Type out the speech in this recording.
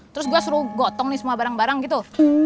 terus gue suruh gotong nih semua barang barang gitu